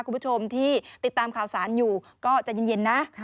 คุณผู้ชมที่ติดตามข่าวสารอยู่ก็จะเย็นนะ